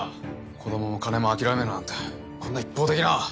子供も金も諦めろなんてこんな一方的な。